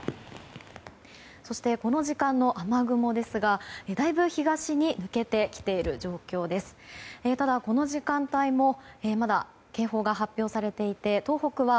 そして、この時間の雨雲ですがだいぶ東に抜けてきている状況です。